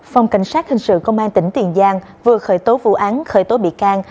phòng cảnh sát hình sự công an tỉnh tiền giang vừa khởi tố vụ án khởi tố bị can